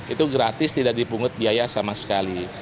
itu gratis tidak dipungut biaya sama sekali